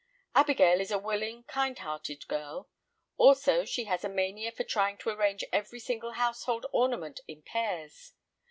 Abigail is a willing, kindhearted girl. Also she has a mania for trying to arrange every single household ornament in pairs.